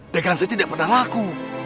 dengan saya tidak pernah laku